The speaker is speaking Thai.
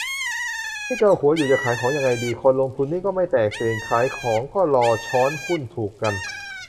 นี่เกาหัวอยู่ จะขายของยังไงดี คนลงทุนนี่ไม่แตกตื่นขายของก็รอช้อนหุ้นถูกกัน